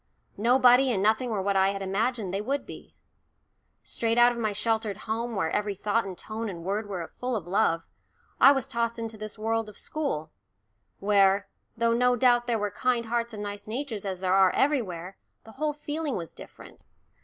Nobody and nothing were what I had imagined they would be. Straight out of my sheltered home, where every thought and tone and word were full of love, I was tossed into this world of school, where, though no doubt there were kind hearts and nice natures as there are everywhere, the whole feeling was different.